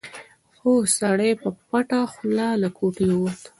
خو سړی په پټه خوله له کوټې ووت.